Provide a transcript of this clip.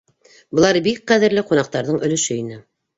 Былары бик ҡәҙерле ҡунаҡтарҙың өлөшө ине.